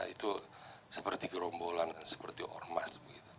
itu seperti gerombolan kan seperti ormas